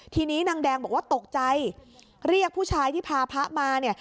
ทีนี้นางแดงบอกว่าตกใจเรียกผู้ชายที่พาพระมาเนี่ย